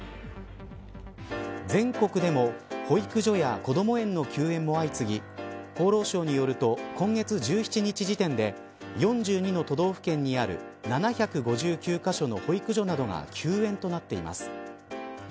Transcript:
全国でも保育所やこども園の休園も相次ぎ厚労省によると今月１７日時点で４２の都道府県にある７５９カ所の保育所などが休園になっています。